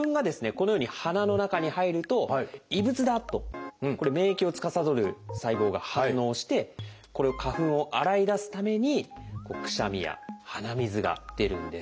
このように鼻の中に入ると異物だ！とこれ免疫をつかさどる細胞が反応して花粉を洗い出すためにくしゃみや鼻水が出るんです。